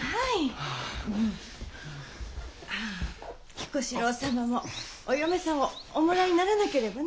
彦四郎様もお嫁さんをおもらいにならなければね。